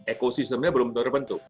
ekosistemnya belum terbentuk